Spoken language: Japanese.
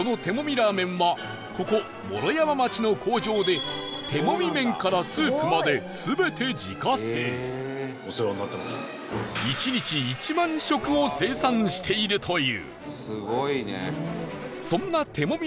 ラーメンはここ毛呂山町の工場で手もみ麺からスープまで全て自家製１日１万食を生産しているというそんな手もみ